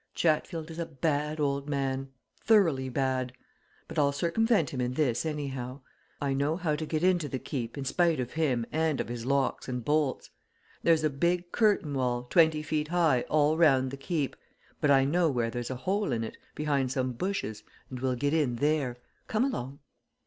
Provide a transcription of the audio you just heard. Chatfield is a bad old man thoroughly bad! But I'll circumvent him in this, anyhow. I know how to get into the Keep in spite of him and of his locks and bolts. There's a big curtain wall, twenty feet high, all round the Keep, but I know where there's a hole in it, behind some bushes, and we'll get in there. Come along!"